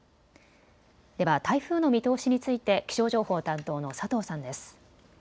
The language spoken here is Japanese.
では台風の見通しについて気象情報担当の佐藤さんです。